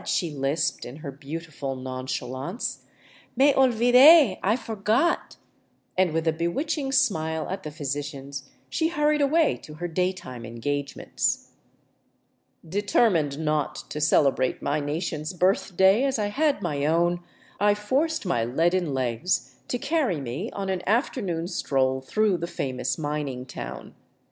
she lisped, in her beautiful nonchalance, " Me olvide — I forgot," and with a bewitching smile at the physicians she hurried away to her daytime engagements. Determined not to celebrate my nation's birthday as I had my own, I forced my leaden legs to carry me on an afternoon stroll through the famous mining town.